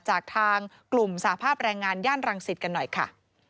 จากทางกลุ่มสาภาพแรงงานย่านรังสิตกันหน่อยค่ะ